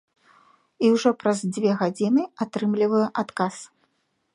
І ўжо праз дзве гадзіны атрымліваю адказ.